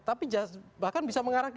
tapi bahkan bisa mengarah ke